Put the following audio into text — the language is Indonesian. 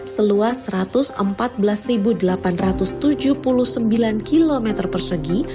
seluas satu ratus empat belas delapan ratus tujuh puluh sembilan km persegi